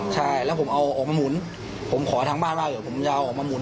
ใช่แล้วผมเอาออกมาหมุนผมขอทางบ้านว่าเดี๋ยวผมจะเอาออกมาหมุน